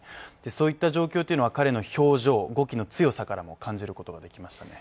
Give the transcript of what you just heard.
そういった状況というのは彼の表情、動きの強さからも感じることができましたね